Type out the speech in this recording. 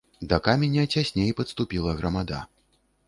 Да каменя цясней падступіла грамада.